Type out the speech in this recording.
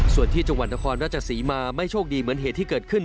ส่วนที่จังหวัดนครราชศรีมาไม่โชคดีเหมือนเหตุที่เกิดขึ้น